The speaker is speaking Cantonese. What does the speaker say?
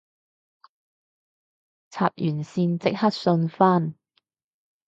插完線即刻順返